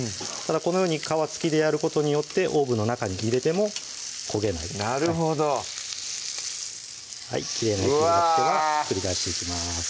このように皮つきでやることによってオーブンの中に入れても焦げないなるほどきれいな焼き色がつけばひっくり返していきます